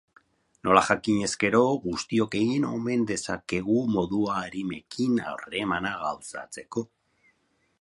Nola jakinez gero, guztiok egin omen dezakegu modua arimekin harremana gauzatzeko.